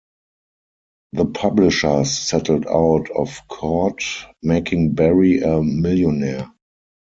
The publishers settled out of court, making Berry a millionaire.